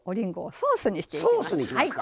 ソースにしますか！